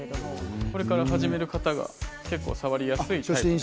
これから始める方も結構触りやすいタイプです。